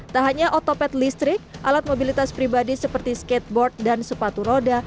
tak hanya otopet listrik alat mobilitas pribadi seperti skateboard dan sepatu roda